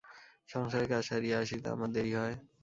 সংসারের কাজ সারিয়া আসিতে আমার দেরি হয়।